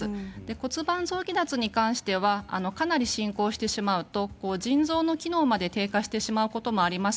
骨盤臓器脱に関してはかなり進行してしまうと腎臓の機能まで低下してしまうこともあります。